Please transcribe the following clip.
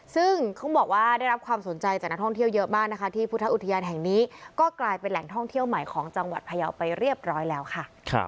ซึ่งเขาบอกว่าได้รับความสนใจจากนักท่องเที่ยวเยอะมากนะคะที่พุทธอุทยานแห่งนี้ก็กลายเป็นแหล่งท่องเที่ยวใหม่ของจังหวัดพยาวไปเรียบร้อยแล้วค่ะ